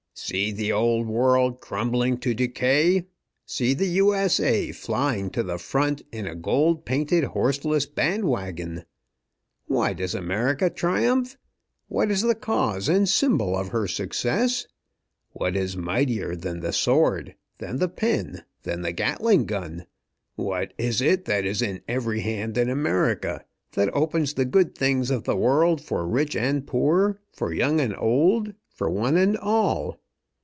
"See the old world crumbling to decay! See the U. S. A. flying to the front in a gold painted horseless band wagon! Why does America triumph? What is the cause and symbol of her success? What is mightier than the sword, than the pen, than the Gatling gun? What is it that is in every hand in America; that opens the good things of the world for rich and poor, for young and old, for one and all?"